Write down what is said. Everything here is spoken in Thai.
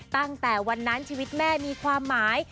ตั้งแต่วันนั้นชีวิตแม่มีความหมาย